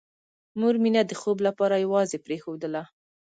مور مينه د خوب لپاره یوازې پرېښودله